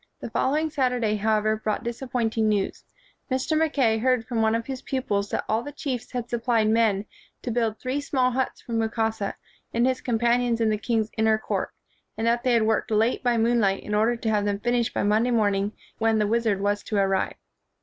The following Saturday, however, brought disappointing news. Mr. Mackay heard from one of his pupils that all the chiefs had supplied men to build three small huts for Mukasa and his companions in the king's inner court, and that they had worked late by moonlight in order to have them finished by Monday morning when the wizard was to arrive.